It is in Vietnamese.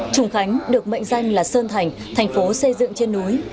trùng khánh được mệnh danh là sơn thành thành phố xây dựng trên núi